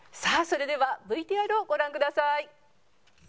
さあそれではＶＴＲをご覧ください。